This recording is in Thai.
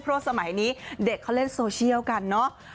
เพราะสมัยนี้เด็กเขาเล่นโซเชียลกันเนอะ